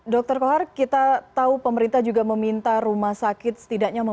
dr kohar kita tahu pemerintah juga meminta rumah sakit setidaknya